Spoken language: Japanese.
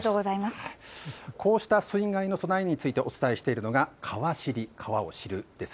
こうした水害への備えについてお伝えしているのがかわ知りです。